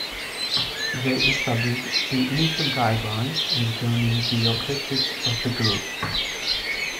They established the initial guidelines and determined the objectives of the group.